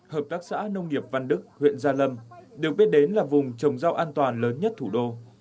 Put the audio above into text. hợp tác xã nông nghiệp văn đức huyện gia lâm được biết đến là vùng trồng rau an toàn lớn nhất thủ đô